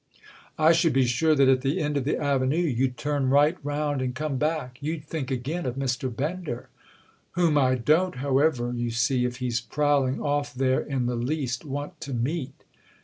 "I should be sure that at the end of the avenue you'd turn right round and come back. You'd think again of Mr. Bender." "Whom I don't, however, you see—if he's prowling off there—in the least want to meet."